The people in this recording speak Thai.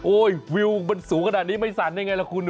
โอ๊ยวิวสูงขนาดนี้ไม่สั่นได้อย่างไรละคุณ